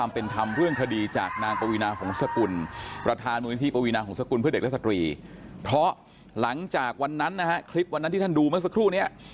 เพราะหลังจากวันนั้นนะครับคลิปวันนั้นที่ท่านดูเมื่อสักครู่นี้